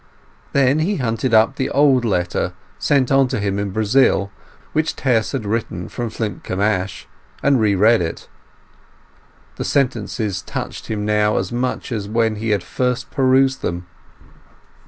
Then he hunted up the old letter sent on to him in Brazil, which Tess had written from Flintcomb Ash, and re read it. The sentences touched him now as much as when he had first perused them.